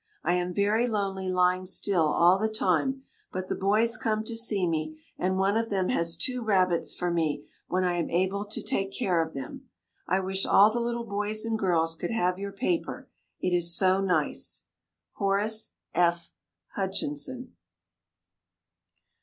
I am very lonely lying still all the time, but the boys come to see me, and one of them has two rabbits for me when I am able to take care of them. I wish all the little boys and girls could have your paper, it is so nice. HORACE F. HUTCHINSON.